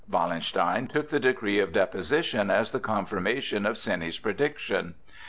Wallenstein took the decree of deposition as the confirmation of Seni's prediction.